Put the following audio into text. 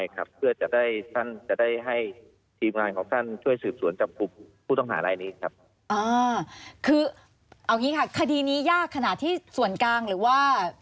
คือเอาอย่างนี้ค่ะคดีนี้ยากขนาดที่ส่วนกลางหรือว่า